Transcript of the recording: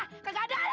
kakak nggak ada